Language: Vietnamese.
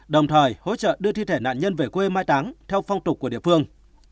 đồng thời hỗ trợ đưa thi thể nạn nhân về quê mai táng theo phong tục của địa phương